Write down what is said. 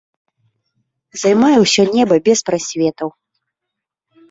Займае ўсё неба без прасветаў.